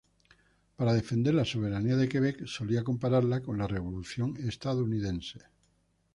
Para defender la soberanía de Quebec, solía compararla con la Revolución estadounidense.